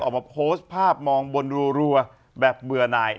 ออกมาโพสต์ภาพมองบนรัวแบบเบื่อหน่าย